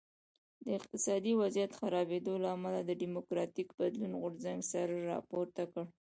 د اقتصادي وضعیت خرابېدو له امله د ډیموکراټیک بدلون غورځنګ سر راپورته کړ.